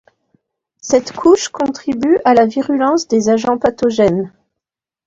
Cette couche contribue à la virulence des agents pathogènes.